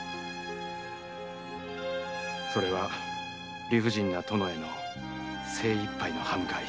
それは理不尽な殿への精一杯の刃向かい。